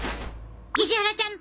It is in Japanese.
石原ちゃん！